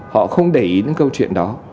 họ không để ý đến câu chuyện đó